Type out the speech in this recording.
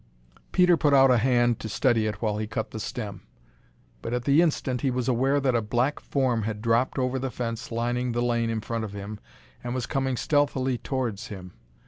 Peter put out a hand to steady it while he cut the stem. But at the instant he was aware that a black form had dropped over the fence lining the lane in front of him and was coming stealthily towards him.